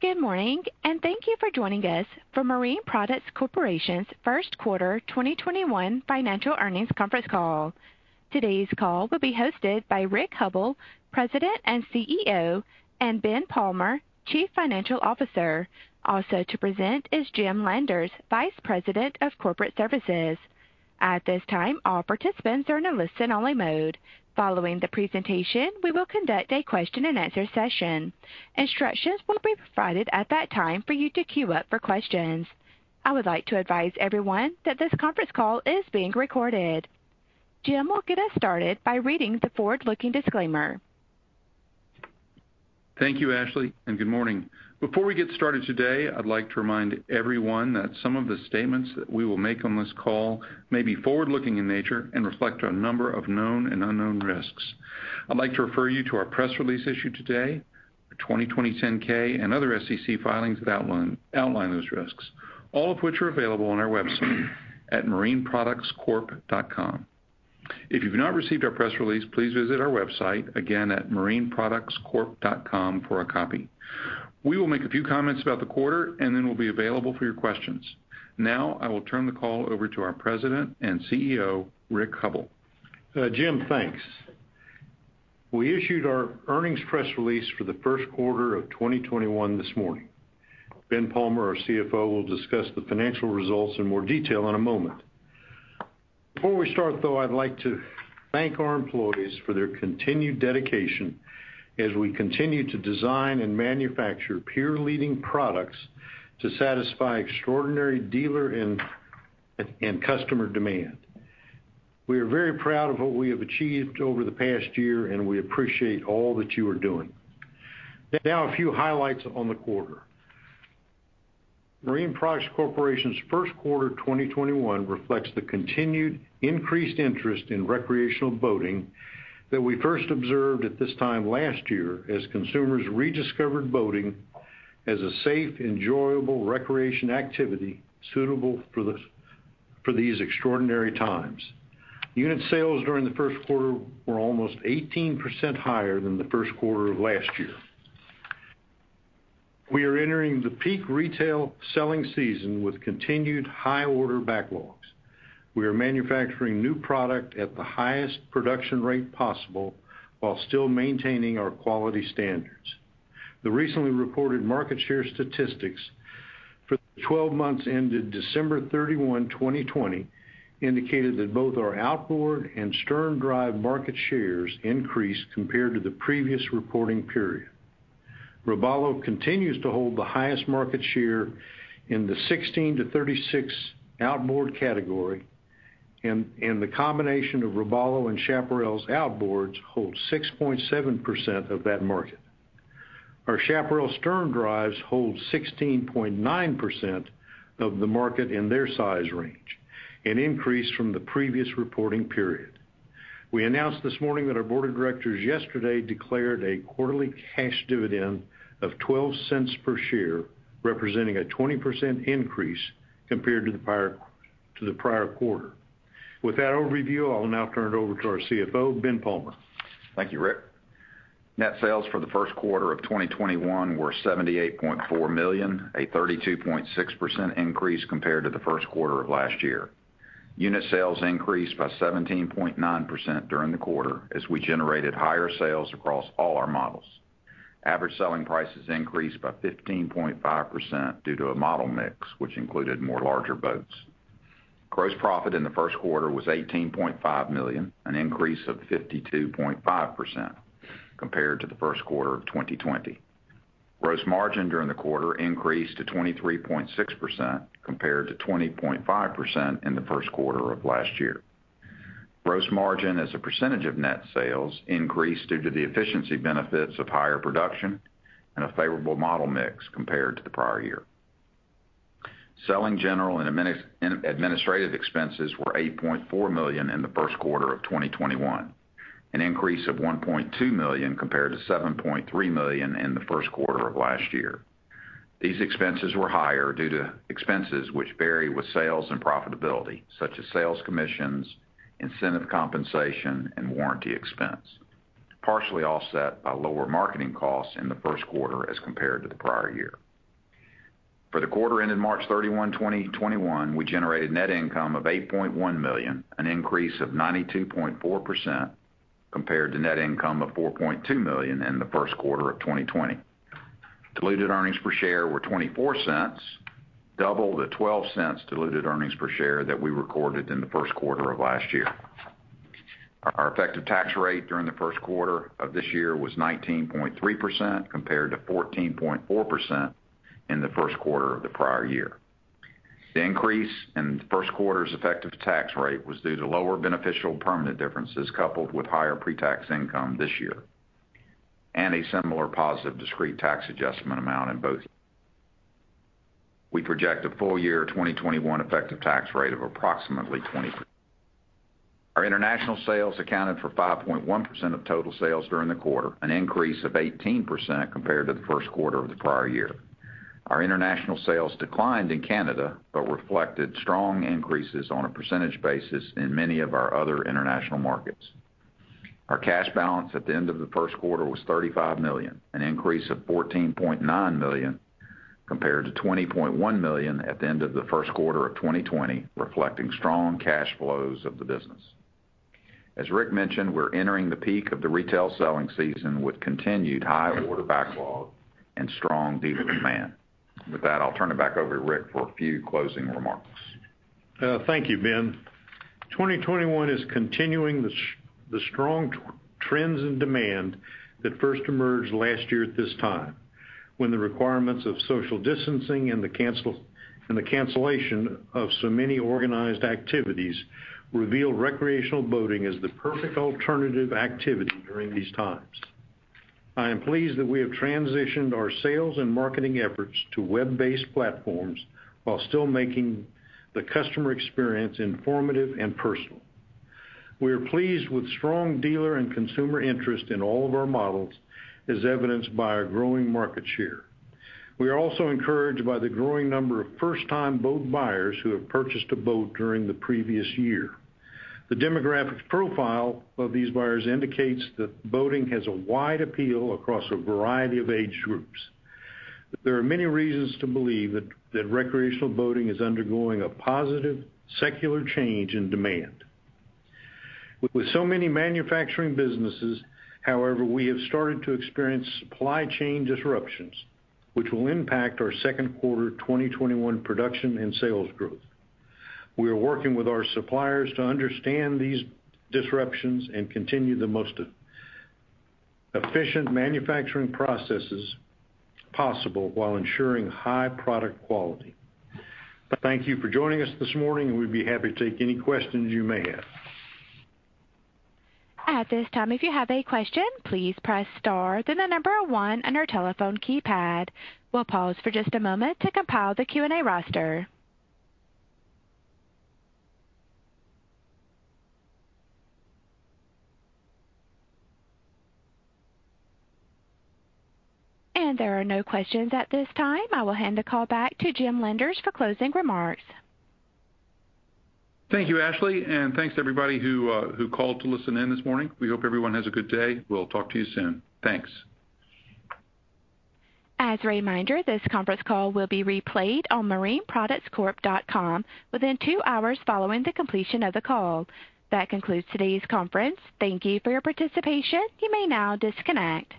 Good morning, and thank you for joining us for Marine Products Corporation's First Quarter 2021 Financial Earnings Conference Call. Today's call will be hosted by Rick Hubbell, President and CEO, and Ben Palmer, Chief Financial Officer. Also to present is Jim Landers, Vice President of Corporate Services. At this time, all participants are in a listen-only mode. Following the presentation, we will conduct a question-and-answer session. Instructions will be provided at that time for you to queue up for questions. I would like to advise everyone that this conference call is being recorded. Jim will get us started by reading the forward-looking disclaimer. Thank you, Ashley, and good morning. Before we get started today, I'd like to remind everyone that some of the statements that we will make on this call may be forward-looking in nature and reflect a number of known and unknown risks. I'd like to refer you to our press release issued today, 2020 10-K, and other SEC filings that outline those risks, all of which are available on our website at marineproductscorp.com. If you've not received our press release, please visit our website again at marineproductscorp.com for a copy. We will make a few comments about the quarter, and then we'll be available for your questions. Now, I will turn the call over to our President and CEO, Rick Hubbell. Jim, thanks. We issued our earnings press release for the first quarter of 2021 this morning. Ben Palmer, our CFO, will discuss the financial results in more detail in a moment. Before we start, though, I'd like to thank our employees for their continued dedication as we continue to design and manufacture peer-leading products to satisfy extraordinary dealer and customer demand. We are very proud of what we have achieved over the past year, and we appreciate all that you are doing. Now, a few highlights on the quarter. Marine Products Corporation's first quarter 2021 reflects the continued increased interest in recreational boating that we first observed at this time last year as consumers rediscovered boating as a safe, enjoyable recreation activity suitable for these extraordinary times. Unit sales during the first quarter were almost 18% higher than the first quarter of last year. We are entering the peak retail selling season with continued high-order backlogs. We are manufacturing new product at the highest production rate possible while still maintaining our quality standards. The recently reported market share statistics for the 12 months ended December 31, 2020, indicated that both our outboard and sterndrive market shares increased compared to the previous reporting period. Robalo continues to hold the highest market share in the 16-36 outboard category, and the combination of Robalo and Chaparral's outboards holds 6.7% of that market. Our Chaparral stern drives hold 16.9% of the market in their size range, an increase from the previous reporting period. We announced this morning that our board of directors yesterday declared a quarterly cash dividend of 12 cents per share, representing a 20% increase compared to the prior quarter. With that overview, I'll now turn it over to our CFO, Ben Palmer. Thank you, Rick. Net sales for the first quarter of 2021 were $78.4 million, a 32.6% increase compared to the first quarter of last year. Unit sales increased by 17.9% during the quarter as we generated higher sales across all our models. Average selling prices increased by 15.5% due to a model mix, which included more larger boats. Gross profit in the first quarter was $18.5 million, an increase of 52.5% compared to the first quarter of 2020. Gross margin during the quarter increased to 23.6% compared to 20.5% in the first quarter of last year. Gross margin as a percentage of net sales increased due to the efficiency benefits of higher production and a favorable model mix compared to the prior year. Selling, General and administrative expenses were $8.4 million in the first quarter of 2021, an increase of $1.2 million compared to $7.3 million in the first quarter of last year. These expenses were higher due to expenses which vary with sales and profitability, such as sales commissions, incentive compensation, and warranty expense, partially offset by lower marketing costs in the first quarter as compared to the prior year. For the quarter ended March 31, 2021, we generated net income of $8.1 million, an increase of 92.4% compared to net income of $4.2 million in the first quarter of 2020. Diluted earnings per share were $0.24, double the $0.12 diluted earnings per share that we recorded in the first quarter of last year. Our effective tax rate during the first quarter of this year was 19.3% compared to 14.4% in the first quarter of the prior year. The increase in the first quarter's effective tax rate was due to lower beneficial permanent differences coupled with higher pre-tax income this year and a similar positive discrete tax adjustment amount in both. We project a full year 2021 effective tax rate of approximately 20%. Our international sales accounted for 5.1% of total sales during the quarter, an increase of 18% compared to the first quarter of the prior year. Our international sales declined in Canada but reflected strong increases on a percentage basis in many of our other international markets. Our cash balance at the end of the first quarter was $35 million, an increase of $14.9 million compared to $20.1 million at the end of the first quarter of 2020, reflecting strong cash flows of the business. As Rick mentioned, we're entering the peak of the retail selling season with continued high order backlog and strong dealer demand. With that, I'll turn it back over to Rick for a few closing remarks. Thank you, Ben. 2021 is continuing the strong trends in demand that first emerged last year at this time when the requirements of social distancing and the cancellation of so many organized activities revealed recreational boating as the perfect alternative activity during these times. I am pleased that we have transitioned our sales and marketing efforts to web-based platforms while still making the customer experience informative and personal. We are pleased with strong dealer and consumer interest in all of our models as evidenced by our growing market share. We are also encouraged by the growing number of first-time boat buyers who have purchased a boat during the previous year. The demographic profile of these buyers indicates that boating has a wide appeal across a variety of age groups. There are many reasons to believe that recreational boating is undergoing a positive secular change in demand. With so many manufacturing businesses, however, we have started to experience supply chain disruptions, which will impact our second quarter 2021 production and sales growth. We are working with our suppliers to understand these disruptions and continue the most efficient manufacturing processes possible while ensuring high product quality. Thank you for joining us this morning, and we'd be happy to take any questions you may have. At this time, if you have a question, please press Star then the number one on your telephone keypad. We'll pause for just a moment to compile the Q&A roster. There are no questions at this time. I will hand the call back to Jim Landers for closing remarks. Thank you, Ashley, and thanks everybody who called to listen in this morning. We hope everyone has a good day. We'll talk to you soon. Thanks. As a reminder, this conference call will be replayed on marineproductscorp.com within two hours following the completion of the call. That concludes today's conference. Thank you for your participation. You may now disconnect.